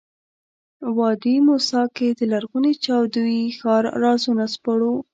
وادي موسی کې د لرغوني جادویي ښار رازونه سپړو.